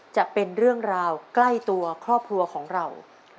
จะเป็นเรื่องราวใกล้ตัวครอบครัวของเรา